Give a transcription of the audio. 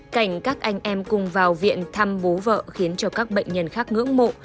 cảnh các anh em cùng vào viện thăm bố vợ khiến cho các bệnh nhân khác ngưỡng mộ